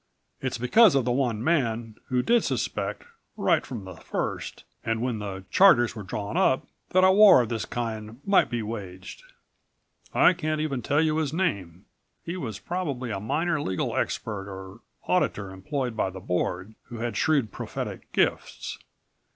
It's because of the one man who did suspect, right from the first, and when the charters were drawn up, that a war of this kind might be waged. I can't even tell you his name. He was probably a minor legal expert or auditor employed by the Board, who had shrewd prophetic gifts